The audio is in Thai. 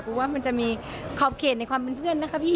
เพราะว่ามันจะมีขอบเขตในความเป็นเพื่อนนะคะพี่